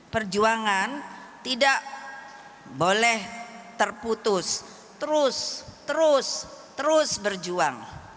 perjuangan tidak boleh terputus terus terus berjuang